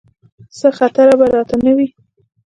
څه خطره به راته نه وي.